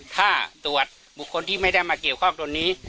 ถ้าตรวจบุคคลที่ไม่ได้มาเกี่ยวข้องตรงนี้